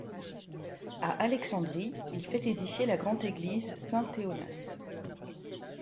À Alexandrie, il fait édifier la grande église Saint-Théonas.